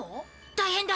大変だ！